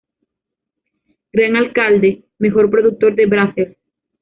Gran alcalde, mejor productor de Brazzers.